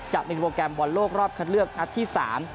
จะเป็นโปรแกรมบอลโลกรอบคัดเลือกนัดที่๓